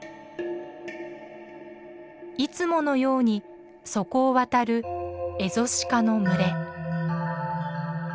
いつものようにそこを渡るエゾシカの群れ。